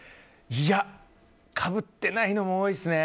いやかぶってないのも多いですね。